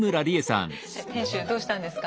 店主どうしたんですか？